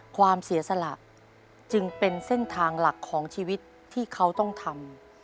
ความเสียสละจึงเป็นเส้นทางหลักของชีวิตที่เขาต้องทำ